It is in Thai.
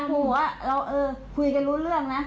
บอกว่าเราเออคุยกันรู้เรื่องนะ